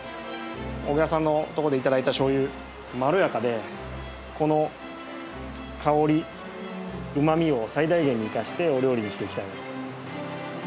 小倉さんのとこで頂いたしょうゆまろやかでこの香りうまみを最大限に生かしてお料理にしていきたい。